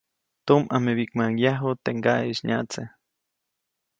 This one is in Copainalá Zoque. Tumʼamebiʼkmaʼuŋ yaju teʼ ŋgaʼeʼis nyaʼtse.